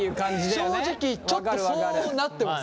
正直ちょっとそうなってます